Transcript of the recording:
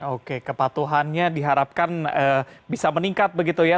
oke kepatuhannya diharapkan bisa meningkat begitu ya